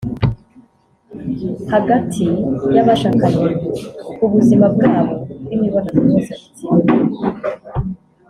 hagati y’abashakanye ku buzima bwabo bw’imibonano mpuzabitsina